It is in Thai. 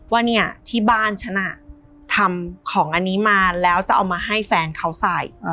ว่าเนี่ยที่บ้านฉันน่ะทำของอันนี้มาแล้วจะเอามาให้แฟนเขาใส่